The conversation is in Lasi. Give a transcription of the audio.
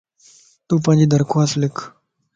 تون پانجي درخواست لک